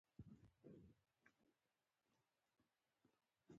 تالابونه د افغانستان په اوږده تاریخ کې ذکر شوی دی.